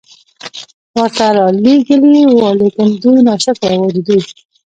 ورته را ليږلي وو، ليکن دوی ناشکره وو، د دوی